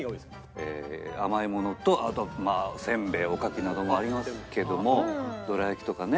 えー甘いものとあとはせんべいおかきなどもありますけどもどら焼きとかね。